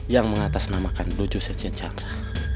yang mengatasnamakan dojo sejen chandra